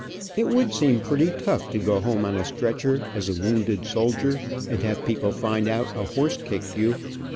It would seem pretty tough to go home on a stretcher, as a wounded soldier, and have people find out a horse kicked you.